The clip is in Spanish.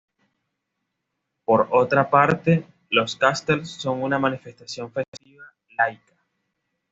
Por otra parte, los Castells, son una manifestación festiva laica.